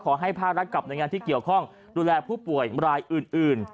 ขอให้พารักกับในงานที่เกี่ยวข้องดูแลผู้ป่วยรายอื่น